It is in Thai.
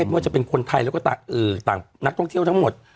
ว่าจะเป็นคนไทยแล้วก็ต่างนักท่องเที่ยวทั้งหมด